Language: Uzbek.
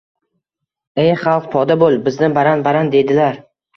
Ey xalq, poda bo‘l! Bizni baran-baran deydilar.